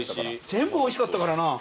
全部おいしかったからな。